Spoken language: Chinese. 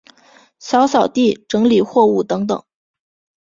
扫扫地、整理货物等等